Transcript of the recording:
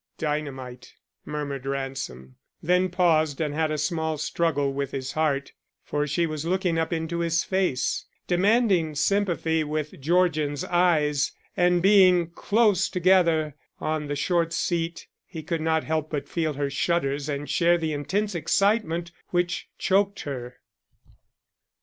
"Dynamite," murmured Ransom; then paused and had a small struggle with his heart, for she was looking up into his face, demanding sympathy with Georgian's eyes; and being close together on the short seat, he could not help but feel her shudders and share the intense excitement which choked her.